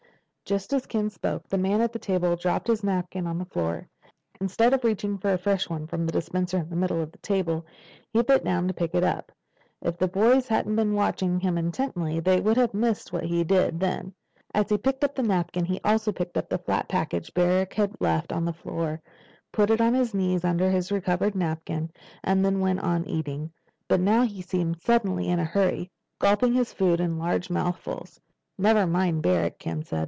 Just as Ken spoke, the man at the table dropped his napkin on the floor. Instead of reaching for a fresh one from the dispenser in the middle of the table, he bent down to pick it up. If the boys hadn't been watching him intently they would have missed what he did then. As he picked up the napkin he also picked up the flat package Barrack had left on the floor, put it on his knees under his recovered napkin, and then went on eating. But now he seemed suddenly in a hurry, gulping his food in large mouthfuls. "Never mind Barrack," Ken said.